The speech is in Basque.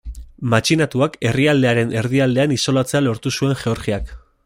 Matxinatuak herrialdearen erdialdean isolatzea lortu zuen Georgiak.